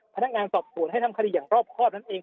พนักงานสอบสวนให้ทำคดีอย่างรอบครอบนั่นเอง